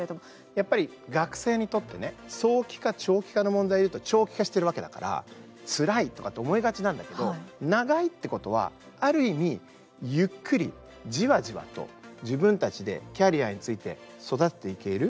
やっぱり学生にとって早期化、長期化の問題でいうと長期化してるわけだからつらいとかって思いがちなんだけど長いってことは、ある意味ゆっくり、じわじわと自分たちでキャリアについて育てていける。